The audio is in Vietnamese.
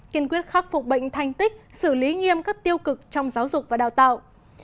kiên quyết khắc phục bệnh thanh tích xử lý nghiêm các tiêu cực trong giáo dục và đào tạo